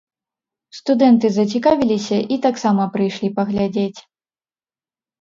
Студэнты зацікавіліся і таксама прыйшлі паглядзець.